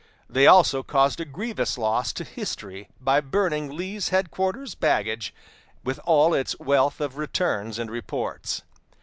They also caused a grievous loss to history by burning Lee's headquarters baggage, with all its wealth of returns and reports.